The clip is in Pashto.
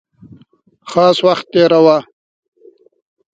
خاص وخت تېراوه.